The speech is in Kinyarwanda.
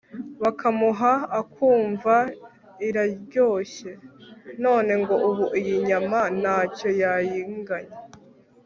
bakamuha akumva iraryoshye, none ngo ubu iyi nyama ntacyo yayinganya